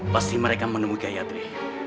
pasti mereka menemui kayatri